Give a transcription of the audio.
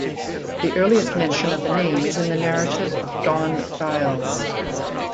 The earliest mention of the name is in the narrative of John Gyles.